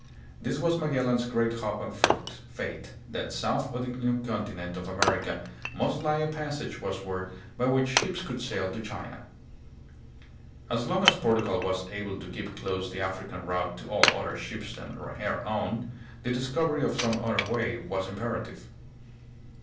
This was Magellan's great hope and faith, that south of the new continent of America must lie a passage west ward, by which ships could sail to China. As long as Portugal was able to keep closed the African route to all other ships than her own, the discovery of some other way was imperative.